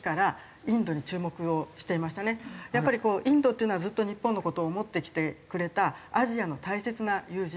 やっぱりインドっていうのはずっと日本の事を思ってきてくれたアジアの大切な友人だと。